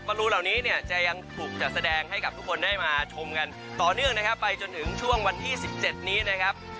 รูเหล่านี้เนี่ยจะยังถูกจัดแสดงให้กับทุกคนได้มาชมกันต่อเนื่องนะครับไปจนถึงช่วงวันที่๑๗นี้นะครับ